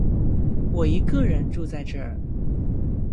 我一个人住在这